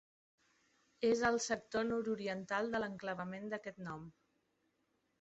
És al sector nord-oriental de l'enclavament d'aquest nom.